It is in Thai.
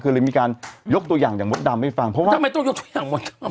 คือเลยมีการยกตัวอย่างอย่างมดดำให้ฟังเพราะว่าทำไมต้องยกตัวอย่างหมด